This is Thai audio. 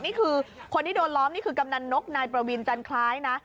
นี่คือคนที่โดนล้อมนี่คือกำนันนกนายประวินจันคล้ายนะ